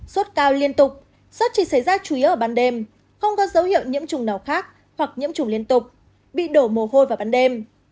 sốt cao liên tục sốt chỉ xảy ra chủ yếu ở ban đêm không có dấu hiệu nhiễm trùng nào khác hoặc nhiễm chủng liên tục bị đổ mồ hôi vào ban đêm